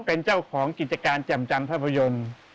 เป็นเจ้าของกิจการจำจำภัพโพยน